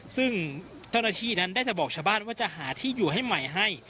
ซึ่งเจ้าหน้าที่นั้นได้แต่บอกชาวบ้านว่าจะหาที่อยู่ให้ใหม่ให้